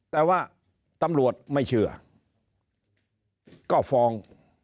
แต่ว่าตำรวจไม่เชื่อก็ฟ้อง